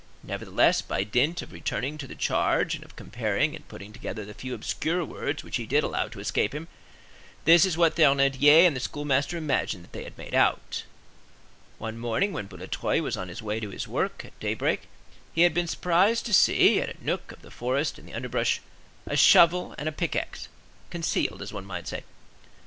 Nevertheless, by dint of returning to the charge and of comparing and putting together the few obscure words which he did allow to escape him, this is what Thénardier and the schoolmaster imagined that they had made out:— One morning, when Boulatruelle was on his way to his work, at daybreak, he had been surprised to see, at a nook of the forest in the underbrush, a shovel and a pickaxe, concealed, as one might say.